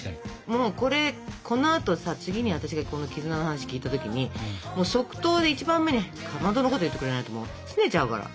もうこのあとさ次に私がこの絆の話聞いた時にもう即答で一番目にかまどのこと言ってくれないとすねちゃうから。